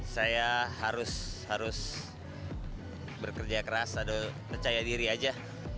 saya harus harus bekerja keras ada percaya diri aja